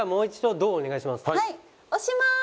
はい押しまーす